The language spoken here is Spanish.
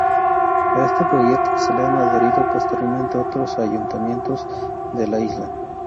A este proyecto se le han adherido posteriormente otros ayuntamientos de la isla.